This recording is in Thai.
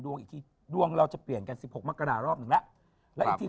โหลดแล้วคุณราคาโหลดแล้วยัง